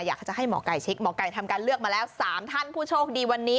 อยากจะให้หมอไก่เช็คหมอไก่ทำการเลือกมาแล้ว๓ท่านผู้โชคดีวันนี้